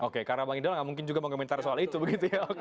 oke karena bang ida nggak mungkin juga mau komentar soal itu begitu ya